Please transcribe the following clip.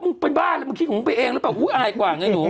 มึงไปบ้านมึงคิดของมึงไปเองแล้วแบบอุ๊ยอายกว่าไงหนู